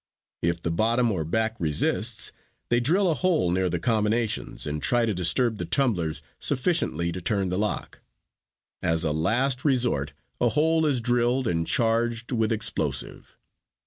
If the bottom or back resists, they drill a hole near the combinations and try to disturb the tumblers sufficiently to turn the lock. As a last resort a hole is drilled and charged with explosive.